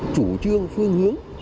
chủ trương phương hướng